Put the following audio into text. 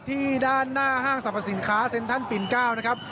ที่ด้านหน้าห้างสรรพสินค้าเซ็นทรัลปิน๙นะครับ